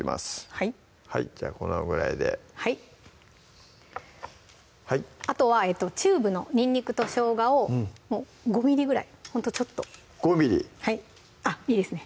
はいじゃあこのぐらいではいあとはチューブのにんにくとしょうがをもう５ｍｍぐらいほんとちょっと５ｍｍはいあっいいですね